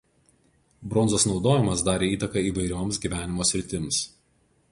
Bronzos naudojimas darė įtaką įvairioms gyvenimo sritims.